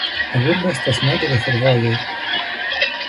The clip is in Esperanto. La urbo estas nodo de fervojoj.